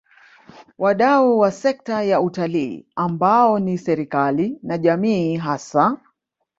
Wadau wa wa sekta ya Utalii ambao ni serikali na jamii hasa